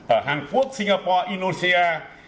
ở hàn quốc singapore indonesia